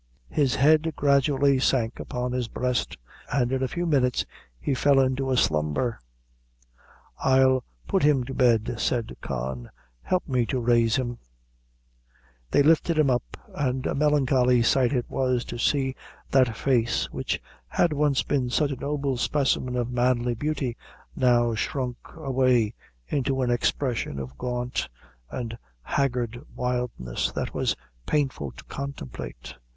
His head gradually sank upon his breast, and in a few minutes he fell into a slumber. "I'll put him to bed," said Con; "help me to raise him." They lifted him up, and a melancholy sight it was to see that face, which had once been such a noble specimen of manly beauty, now shrunk away into an expression of gaunt and haggard wildness, that was painful to contemplate.